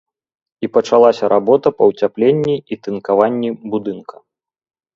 І пачалася работа па ўцяпленні і тынкаванні будынка.